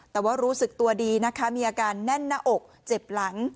แต่ว่ารู้สึกตัวดีนะคะมีอาการแน่นหน้าอกเจ็บหลัง